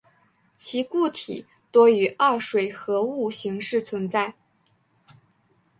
其固体多以二水合物形式存在。